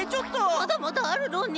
まだまだあるのに。